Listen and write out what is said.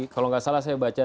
kalau nggak salah saya baca